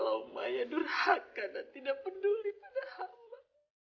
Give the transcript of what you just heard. walau maya durhaka dan tidak peduli pada amba